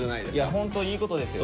ホントいいことですよ。